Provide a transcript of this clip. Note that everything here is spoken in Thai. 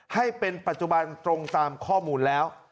ให้เป็นปัจจุบันตรงตามข้อมูลแล้ว